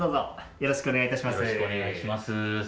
よろしくお願いします。